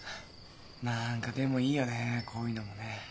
なんかでもいいよねこういうのもね。